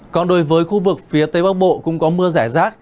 còn đối với khu vực phía tây bắc bộ cũng có mưa rải rác